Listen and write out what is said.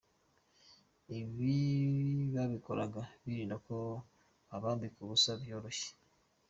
Ibi babikoraga birinda ko yabambika ubusa byoroshye.